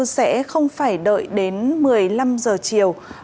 sẽ không phải đợi đến một mươi năm giờ chiều